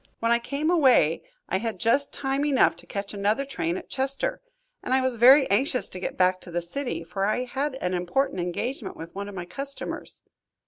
When I came away I had just time enough to catch another train at Chester, and I was very anxious to get back to the city, for I had an important engagement with one of my customers."